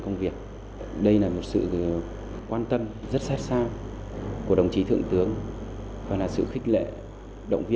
thì thấy rằng là không phù hợp